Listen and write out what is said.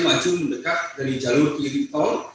maju mendekat dari jalur kiri tol